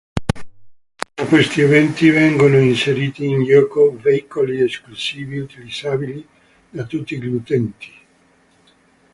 Durante questi eventi vengono inseriti in gioco veicoli esclusivi, utilizzabili da tutti gli utenti.